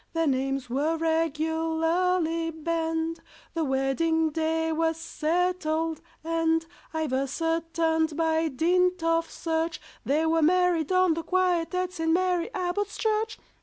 Their names were regularly banned, The wedding day was settled, and I've ascertained by dint of search They were married on the quiet at St. Mary Abbot's Church.